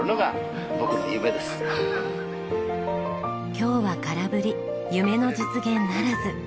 今日は空振り夢の実現ならず。